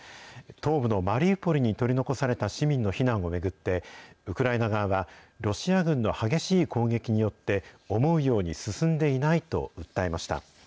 東部のマリウポリに取り残された市民の避難を巡って、ウクライナ側は、ロシア軍の激しい攻撃によって、思うように進んでいないと訴えました。